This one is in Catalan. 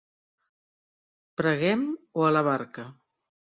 Preguem o a la barca!